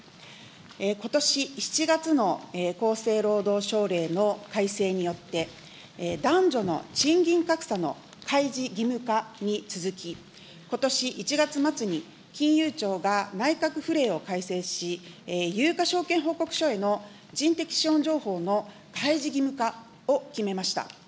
ことし７月の厚生労働省令の改正によって、男女の賃金格差の開示義務化に続き、ことし１月末に金融庁が内閣府令を改正し、有価証券報告書への人的資本情報の開示義務化を決めました。